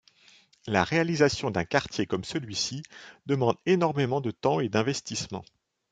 La réalisation d’un quartier comme celui-ci demande énormément de temps et d’investissement.